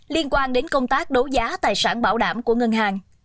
liên quan đến công tác đấu giá tài sản bảo đảm của ngân hàng